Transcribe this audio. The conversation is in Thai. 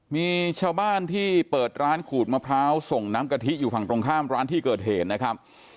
มีชาวบ้านที่เปิดร้านขูดมะพร้าวส่งน้ำกะทิอยู่ฝั่งตรงข้ามร้านที่เกิดเหตุนะครับ